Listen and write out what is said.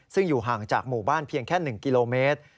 ซึ่งอยู่ห่างจากหมู่บ้านเพียงแค่๑กิโลเมตร